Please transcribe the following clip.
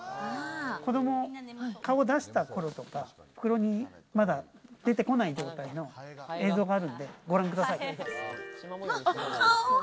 子供、顔だした頃とか、袋からまだ出てこない状態の映像があるんでご覧ください。